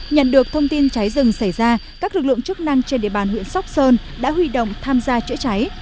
nhận được thông tin cháy rừng xảy ra các lực lượng chức năng trên địa bàn huyện sóc sơn đã huy động tham gia chữa cháy